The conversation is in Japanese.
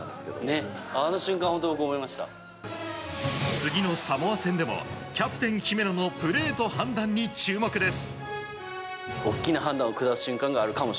次のサモア戦でもキャプテン、姫野のプレーと判断に注目です。